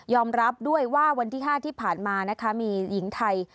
รับด้วยว่าวันที่๕ที่ผ่านมานะคะมีหญิงไทย